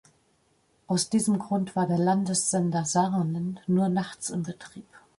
Aus diesem Grund war der Landessender Sarnen nur nachts in Betrieb.